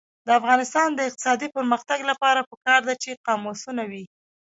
د افغانستان د اقتصادي پرمختګ لپاره پکار ده چې قاموسونه وي.